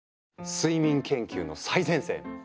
睡眠研究の最前線！